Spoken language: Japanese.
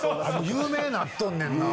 有名になっとんねんな。